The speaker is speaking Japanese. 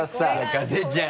加瀬ちゃん。